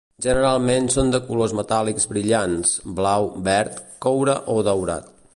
Generalment són de colors metàl·lics brillants, blau, verd, coure o daurat.